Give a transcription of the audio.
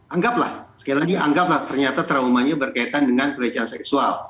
anggaplah sekali lagi anggaplah ternyata traumanya berkaitan dengan pelecehan seksual